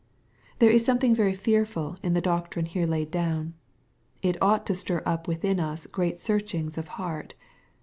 There is something very fearful in the doctrine here laid down. It ought to stir up within us great searchings of heart.